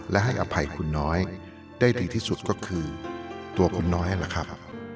และให้อภัยคุณน้อยได้ดีที่สุดก็คือตัวผมน้อยล่ะครับ